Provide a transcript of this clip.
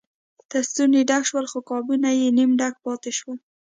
تر ستوني ډک شول خو قابونه یې نیم ډک پاتې شول.